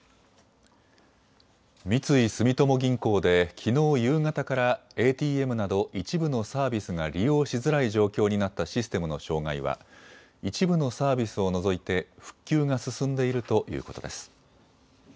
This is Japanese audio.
三井住友銀行できのう夕方からＡＴＭなど一部のサービスが利用しづらい状況になったシステムの障害は一部のサービスを除いて復旧が進んでいるということです。